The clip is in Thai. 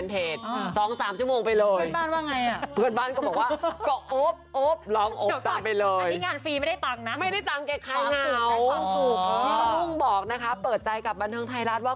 พ่อนุ่งบอกนะคะเปิดใจกับบันเทิงไทยรัฐว่า